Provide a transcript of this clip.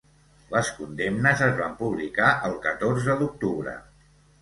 Les condemnes es van publicar el catorze d’octubre.